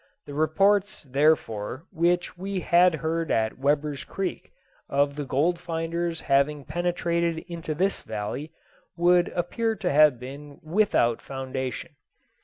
The reports, therefore, which we heard at Weber's Creek, of the gold finders having penetrated into this valley, would appear to have been without foundation.